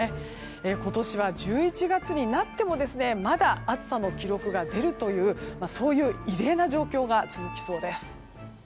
今年は１１月になってもまだ、暑さの記録が出るというそういう異例な状況が続きそうです。